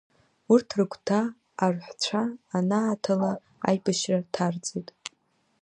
Урҭ рыгәҭа арҳәцәа анааҭала, аибашьра ҭарҵеит.